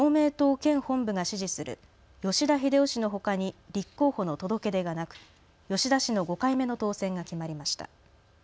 県本部が支持する吉田英男氏のほかに立候補の届け出がなく吉田氏の５回目の当選が決まりました。